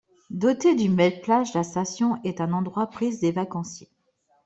Dotée d'une belle plage, la station est un endroit prisé des vacanciers.